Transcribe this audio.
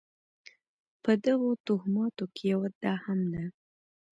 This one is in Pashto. په دغو توهماتو کې یوه دا هم ده.